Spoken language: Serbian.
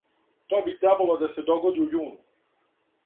То би требало да се догоди у јуну.